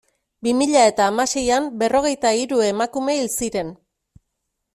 Bi mila eta hamaseian berrogeita hiru emakume hil ziren.